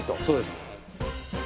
そうです。